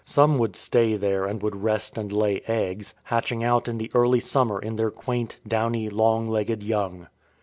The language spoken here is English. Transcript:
Some would stay there and would rest and lay eggs, hatching out in the early summer their quaint, downy, long legged young.